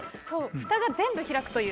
ふたが全部開くという。